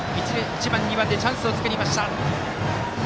１、２番でチャンスを作りました。